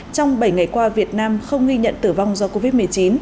trong bảy ngày qua việt nam không ghi nhận tử vong do covid một mươi chín